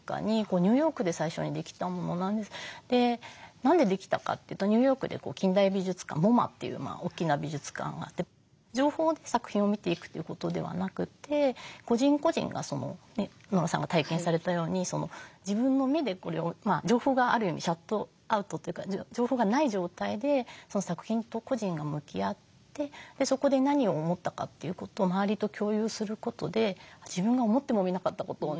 何でできたかというとニューヨークで近代美術館ＭｏＭＡという大きな美術館があって情報で作品を見ていくということではなくて個人個人がノラさんが体験されたように自分の目でこれを情報がある意味シャットアウトというか情報がない状態で作品と個人が向き合ってそこで何を思ったかということを周りと共有することで自分が思ってもみなかったことをね